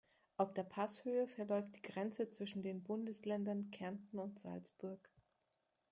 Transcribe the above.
Auf der Passhöhe verläuft die Grenze zwischen den Bundesländern Kärnten und Salzburg.